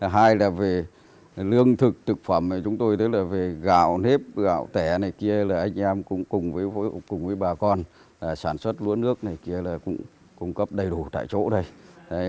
hai là về lương thực thực phẩm chúng tôi tức là về gạo nếp gạo tẻ này kia là anh em cũng cùng với bà con sản xuất lúa nước này kia là cũng cung cấp đầy đủ tại chỗ này